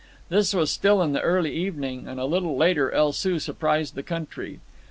This was still in the early spring, and a little later El Soo surprised the country.